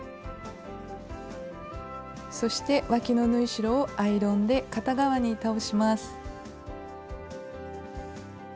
そしてわきの縫い代をアイロンで片側に倒します。